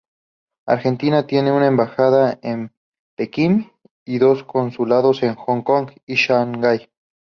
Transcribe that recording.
Argentina tiene una embajada en Pekín y dos consulados en Hong Kong y Shanghai.